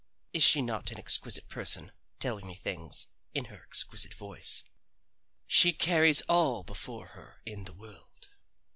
Is she not an exquisite person telling me these things in her exquisite voice? She carries all before her in the world.